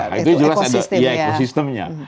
iya itu juga ada ekosistemnya